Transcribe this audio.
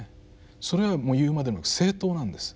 それはもう言うまでもなく政党なんです。